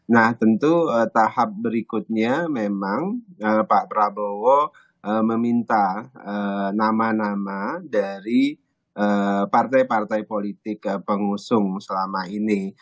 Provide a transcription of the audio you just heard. nah tentu tahap berikutnya memang pak prabowo meminta nama nama dari partai partai politik pengusung selama ini